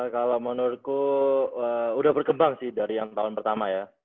kalau menurutku udah berkembang sih dari yang tahun pertama ya